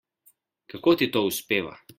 Kako ti to uspeva?